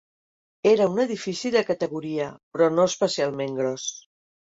Era un edifici de categoria, però no especialment gros.